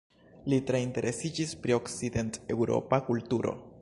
Li tre interesiĝis pri okcident-eŭropa kulturo.